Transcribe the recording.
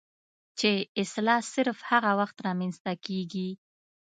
چې اصلاح صرف هغه وخت رامنځته کيږي